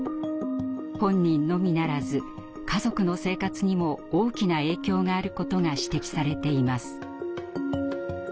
本人のみならず家族の生活にも大きな影響があることが指摘されています。